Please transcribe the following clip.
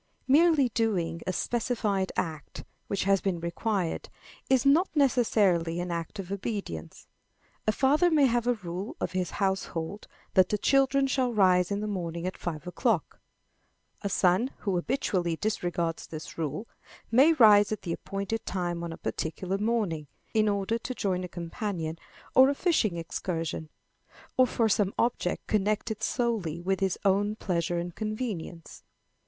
Merely doing a specified act, which has been required, is not necessarily an act of obedience. A father may have a rule of his household that the children shall rise in the morning at five o'clock. A son who habitually disregards this rule, may rise at the appointed time on a particular morning, in order to join a companion on a fishing excursion, or for some object connected solely with his own pleasure and convenience.